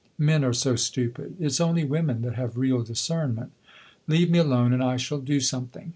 Men are so stupid; it 's only women that have real discernment. Leave me alone, and I shall do something.